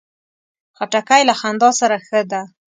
خټکی له خندا سره ښه ده.